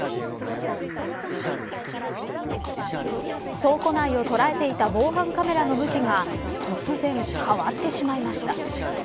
倉庫内を捉えていた防犯カメラの向きが突然、変わってしまいました。